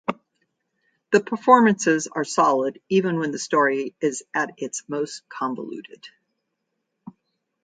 The performances are solid even when the story is at its most convoluted.